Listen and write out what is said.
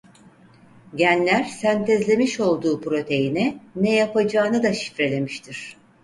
Genler sentezlemiş olduğu proteine ne yapacağını da şifrelemiştir.